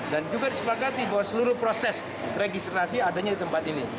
dan juga disepakati bahwa seluruh proses registrasi adanya di tempat ini